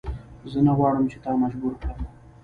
زه نه غواړم چې تا مجبور کړم.